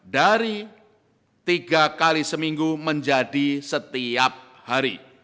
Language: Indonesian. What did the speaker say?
dari tiga kali seminggu menjadi setiap hari